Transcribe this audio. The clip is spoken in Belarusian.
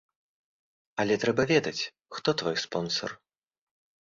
Але трэба ведаць, хто твой спонсар.